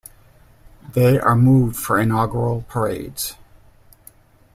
They are moved for inaugural parades.